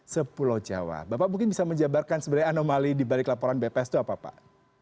sepulau jawa bapak mungkin bisa menjabarkan sebenarnya anomali dibalik laporan bps itu apa pak